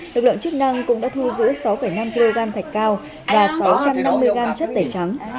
lực lượng chức năng cũng đã thu giữ sáu năm kg thạch cao và sáu trăm năm mươi gram chất tẩy trắng